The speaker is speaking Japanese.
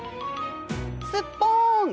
すっぽーん！